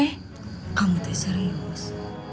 kamu tuh serius